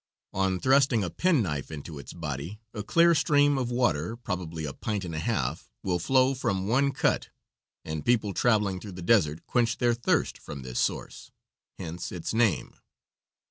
On thrusting a penknife into its body a clear stream of water, probably a pint and a half, will flow from one cut, and people traveling through the desert quench their thirst from this source, hence its name.